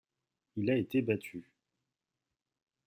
Il a été battu.